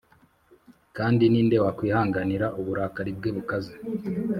Kandi ni nde wakwihanganira uburakari bwe bukaze?